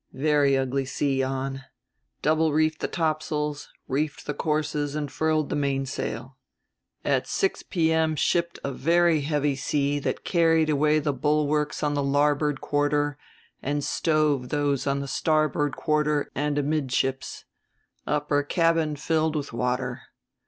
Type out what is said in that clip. Very ugly sea on. Double reefed the Topsails, reefed the courses and furled the mainsail. At six p.m. shipped a very heavy sea that carried away the bulwarks on the larboard quarter and stove those on the starboard quarter and amidships ... upper cabin filled with water.